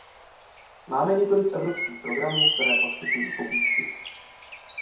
Máme několik evropských programů, které poskytují pobídky.